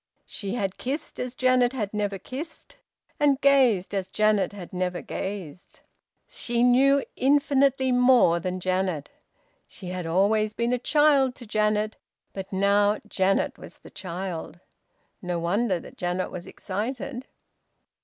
She had kissed as Janet had never kissed, and gazed as Janet had never gazed. She knew infinitely more than Janet. She had always been a child to Janet, but now Janet was the child. No wonder that Janet was excited.